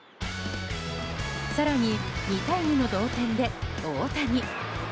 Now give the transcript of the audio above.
更に２対２の同点で、大谷。